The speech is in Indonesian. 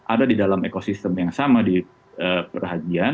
ada di dalam ekosistem yang sama di perhajian